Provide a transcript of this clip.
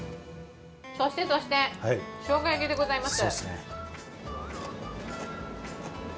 そしてそして、しょうが焼きでございます。